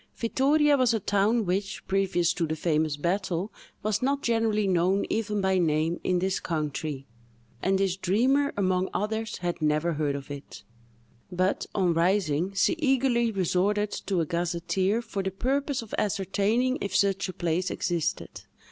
Vittoria was a town which, previous to the famous battle, was not generally known even by name in this country, and this dreamer, among others, had never heard of it; but, on rising, she eagerly resorted to a gazetteer for the purpose of ascertaining if such a place existed.